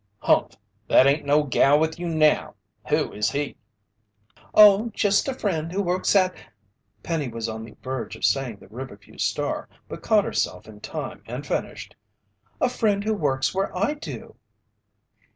"Humph! That ain't no gal with you now! Who is he?" "Oh, just a friend who works at " Penny was on the verge of saying the Riverview Star, but caught herself in time and finished "a friend who works where I do."